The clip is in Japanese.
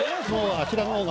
あちらのほうが。